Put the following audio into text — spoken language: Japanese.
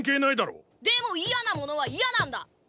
でも嫌なものは嫌なんだ！